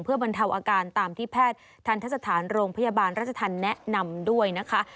เพื่อบรรเทาอาการตามที่แพทย์ทันทสถานโรงพยาบาลราชธรรมแนะนำด้วยนะคะ